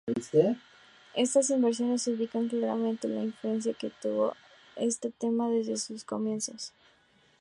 Estas versiones indican claramente la influencia que tuvo este tema desde sus comienzos.